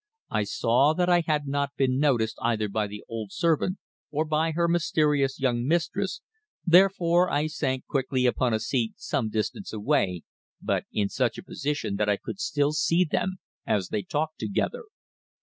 I saw that I had not been noticed either by the old servant or by her mysterious young mistress, therefore I sank quickly upon a seat some distance away, but in such a position that I could still see them as they talked together.